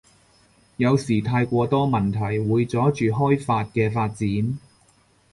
有時太過多問題會阻住開法嘅發展